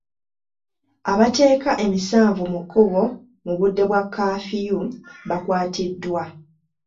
Abateeka emisanvu mu kkubo mu budde bwa kaafiyu bakwatiddwa.